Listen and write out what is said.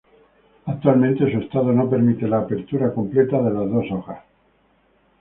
Actualmente su estado no permite la apertura completa de las dos hojas.